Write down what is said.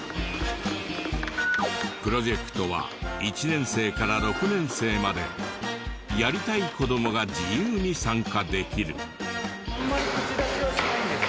プロジェクトは１年生から６年生までやりたい子どもが自由に参加できる。